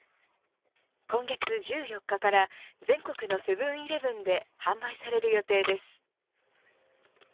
今月１４日から全国のセブン‐イレブンで販売される予定です。